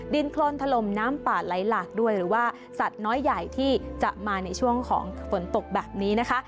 ดินโครนถล่มน้ำป่าไหลหลากด้วยหรือว่าสัตว์น้อยใหญ่ที่จะมาในช่วงของฝนตกแบบนี้นะคะ